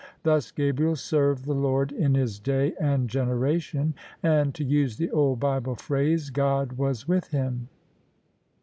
Thus Gabriel served the Lord in his day and generation; and — ^to use the old Bible phrase — God was with him.